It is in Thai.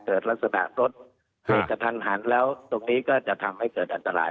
เกิดลักษณะรถเบรกกระทันหันแล้วตรงนี้ก็จะทำให้เกิดอันตราย